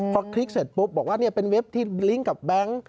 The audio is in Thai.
พอคลิกเสร็จปุ๊บบอกว่าเป็นเว็บที่บลิงก์กับแบงค์